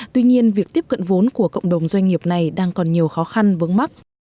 tuy nhiên việc tiếp cận vốn của cộng đồng doanh nghiệp này đang còn nhiều khó khăn vướng mắt